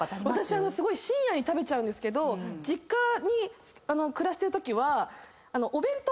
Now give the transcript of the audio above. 私深夜に食べちゃうんですけど実家に暮らしてるときは。